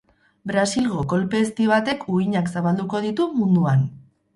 Brasilgo kolpe ezti batek uhinak zabalduko ditu munduan.